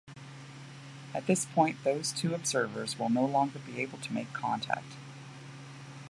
At this point those two observers will no longer be able to make contact.